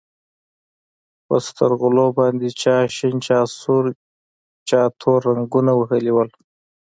په سترغلو باندې چا شين چا سور چا نور رنګونه وهلي وو.